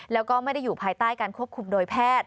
แล้วก็ไม่ได้อยู่ภายใต้การควบคุมโดยแพทย์